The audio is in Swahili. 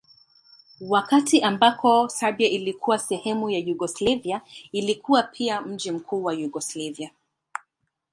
Wakati ambako Serbia ilikuwa sehemu ya Yugoslavia ilikuwa pia mji mkuu wa Yugoslavia.